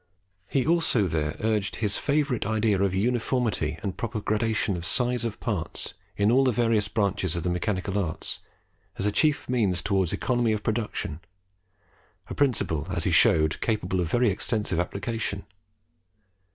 He also there urged his favourite idea of uniformity, and proper gradations of size of parts, in all the various branches of the mechanical arts, as a chief means towards economy of production a principle, as he showed, capable of very extensive application.